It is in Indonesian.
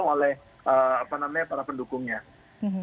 nanti masjid saat ini menyampaikan bahwa nanti tolong berhubungan dengan humat